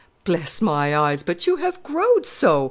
"Bless my eyes, but you have growed so.